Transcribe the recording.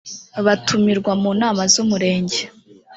batumirwa mu nama z’umurenge .